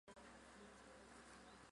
以防御吴佩孚军队进攻。